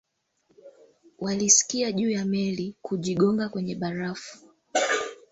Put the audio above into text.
walisikia juu ya meli kujigonga kwenye barafu